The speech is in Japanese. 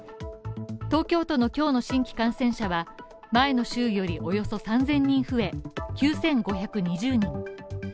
東京都の今日の新規感染者は前の週よりおよそ３０００人増え、９５２０人。